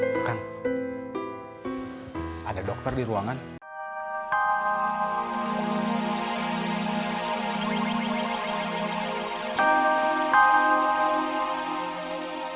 ujang lagi di rumah sakit